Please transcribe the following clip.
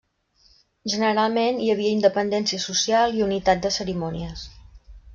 Generalment hi havia independència social i unitat de cerimònies.